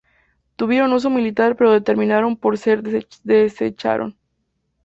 Tuvieron uso militar pero terminaron por ser desecharon.